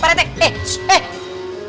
pak rt eh shhh